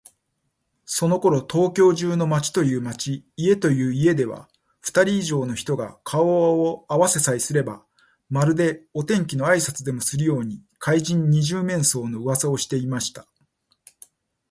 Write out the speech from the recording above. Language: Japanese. そのころ、東京中の町という町、家という家では、ふたり以上の人が顔をあわせさえすれば、まるでお天気のあいさつでもするように、怪人「二十面相」のうわさをしていました。